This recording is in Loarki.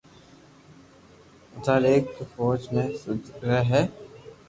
لوھار ايڪ قوم ھي سندھ مي رھي ھي